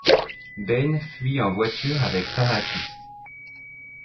Ben fuit en voiture avec Parrakis.